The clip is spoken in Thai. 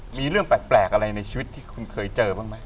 มีเรื่องแปลกอะไรในชีวิตที่คุณเคยเจอบ้างไหม